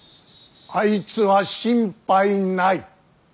あいつは心配ない。